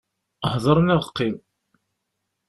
Hder neɣ qqim!